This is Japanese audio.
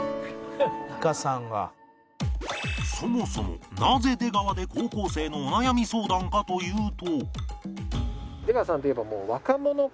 そもそもなぜ出川で高校生のお悩み相談かというと